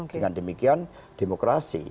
dengan demikian demokrasi